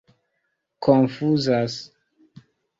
konfuzas